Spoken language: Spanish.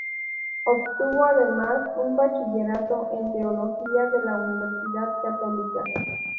Obtuvo además un bachillerato en teología de la Universidad Católica.